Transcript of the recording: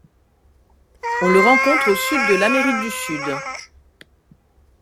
On le rencontre au sud de l'Amérique du Sud.